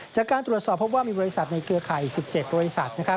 จากการตรวจสอบพบว่ามีบริษัทในเครือข่าย๑๗บริษัท